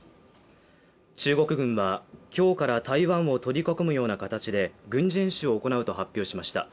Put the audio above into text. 中国軍は今日から台湾を取り囲むような形で軍事演習を行うと発表しました。